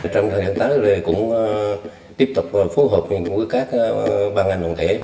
trong thời gian ta tôi cũng tiếp tục phối hợp với các ban ngành bản thể